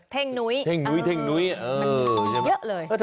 ถึงรู้หรือไม่รู้